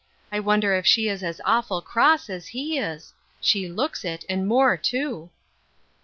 I wonder if she is as awful cross as he is ? She looks it, and more too."